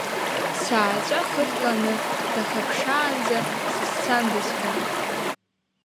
Сааҵәа хыртланы дахаԥшаанӡа сызцандаз ҳәа.